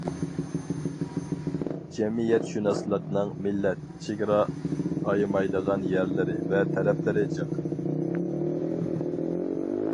جەمئىيەتشۇناسلىقنىڭ مىللەت، چېگرا ئايىمايدىغان يەرلىرى ۋە تەرەپلىرى جىق.